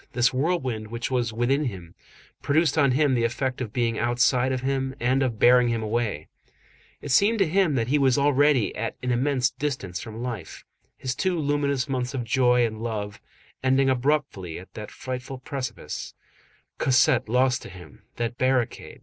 This whirlwind which was within him, produced on him the effect of being outside of him and of bearing him away. It seemed to him that he was already at an immense distance from life. His two luminous months of joy and love, ending abruptly at that frightful precipice, Cosette lost to him, that barricade, M.